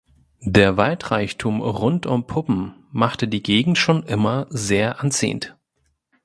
Der Waldreichtum rund um Puppen machte die Gegend schon immer sehr anziehend.